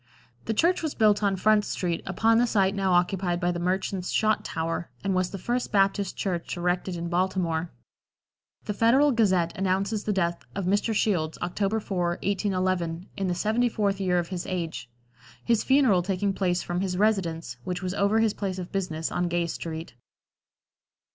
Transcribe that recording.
The church was built on Front street, upon the site now occupied by the Merchants' Shot Tower, and was the first Baptist Church erected in Baltimore. The Federal Gazette announces the death of Mr. Shields, October 4, 1811, in the seventy fourth year of his age; his funeral taking place from his residence, which was over his place of business, on Gay street.